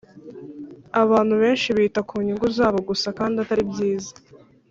Abantu benshi bita kunyungu zabo gusa kandi atari byiza